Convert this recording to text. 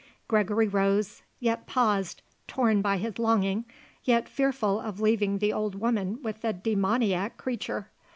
Gregory rose, yet paused, torn by his longing, yet fearful of leaving the old woman with the demoniac creature.